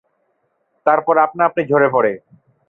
তারপর আপনা আপনি ঝরে পড়ে।